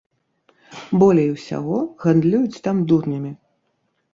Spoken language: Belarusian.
Болей усяго гандлююць там дурнямі.